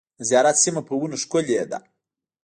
د زیارت سیمه په ونو ښکلې ده .